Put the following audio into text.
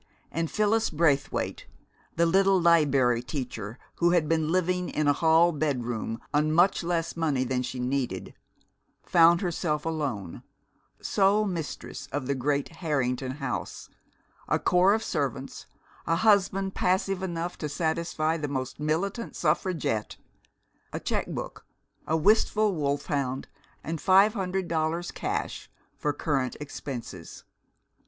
And Phyllis Braithwaite, the little Liberry Teacher who had been living in a hall bedroom on much less money than she needed, found herself alone, sole mistress of the great Harrington house, a corps of servants, a husband passive enough to satisfy the most militant suffragette, a check book, a wistful wolfhound, and five hundred dollars, cash, for current expenses.